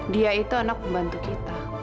dia itu anak pembantu kita